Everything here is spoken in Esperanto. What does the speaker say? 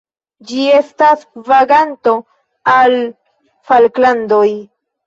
Ĝi estas vaganto al Falklandoj.